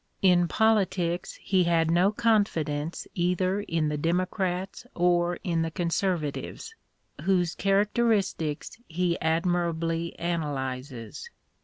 In politics he had no confidence either in the Demo crats or in the Conservatives, whose characteristics he admirably analyses.